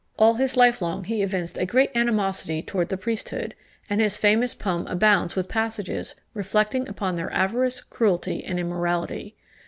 All his life long he evinced a great animosity towards the priesthood, and his famous poem abounds with passages reflecting upon their avarice, cruelty, and immorality.